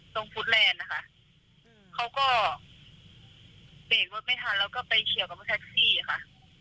ฟุตแลนด์นะคะเขาก็เบรกรถไม่ทันแล้วก็ไปเฉียวกับรถแท็กซี่ค่ะ